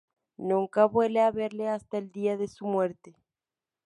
Nunca vuele a verle hasta el día de su muerte.